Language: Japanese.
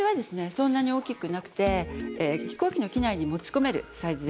そんなに大きくなくて飛行機の機内に持ち込めるサイズです。